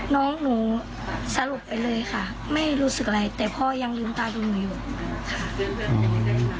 น้องหนูสลบไปเลยค่ะไม่รู้สึกอะไรแต่พ่อยังลืมตาดูหนูอยู่ค่ะ